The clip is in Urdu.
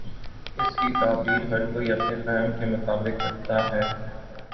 اس کی تعبیر ہر کوئی اپنے فہم کے مطابق کر تا ہے۔